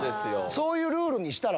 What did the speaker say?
そういうルールにしたら？